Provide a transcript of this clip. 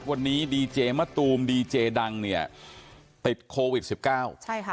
วันนี้ดีเจมะตูมดีเจดังเนี่ยติดโควิดสิบเก้าใช่ค่ะ